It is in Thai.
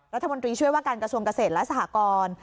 รัฐมนตรีช่วยว่าการกระทรวงเกษตรและสหกร